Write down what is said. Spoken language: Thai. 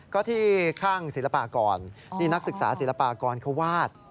ก็ที่ข้างศิลปากรนี่นักศึกษาศิลปากรเขาวาด